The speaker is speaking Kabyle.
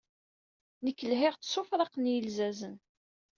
Nekk lhiɣ-d s ufraq n yilzazen.